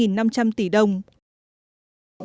bước đầu chúng ta đã khởi tố